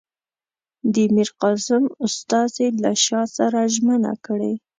د میرقاسم استازي له شاه سره ژمنه کړې.